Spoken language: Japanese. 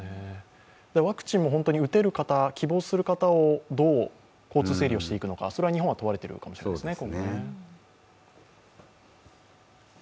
ワクチンも本当に打てる方、希望する方をどう交通整理していくのか日本は問われている感じですね。